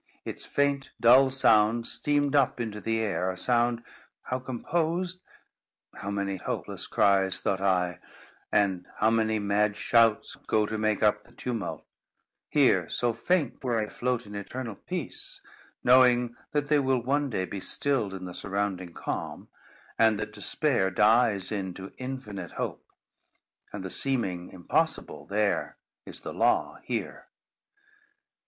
Its faint dull sound steamed up into the air—a sound—how composed? "How many hopeless cries," thought I, "and how many mad shouts go to make up the tumult, here so faint where I float in eternal peace, knowing that they will one day be stilled in the surrounding calm, and that despair dies into infinite hope, and the seeming impossible there, is the law here!